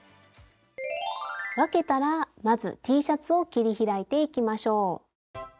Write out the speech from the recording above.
分けたらまずＴシャツを切り開いていきましょう。